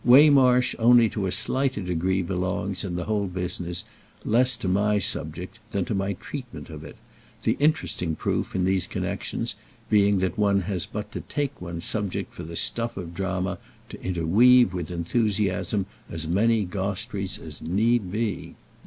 Waymarsh only to a slighter degree belongs, in the whole business, less to my subject than to my treatment of it; the interesting proof, in these connexions, being that one has but to take one's subject for the stuff of drama to interweave with enthusiasm as many Gostreys as need be.